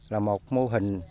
là một mô hình